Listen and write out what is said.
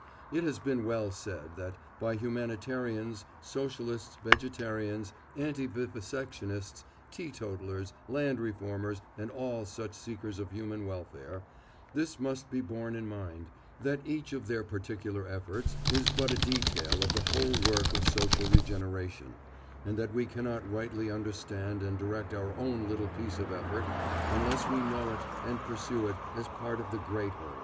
It has been well said that, "By humanitarians, socialists, vegetarians, anti vivisectionists, teetotalers, land reformers, and all such seekers of human welfare, this must be borne in mind—that each of their particular efforts is but a detail of the whole work of social regeneration, and that we cannot rightly understand and direct our own little piece of effort unless we know it, and pursue it, as part of the great whole."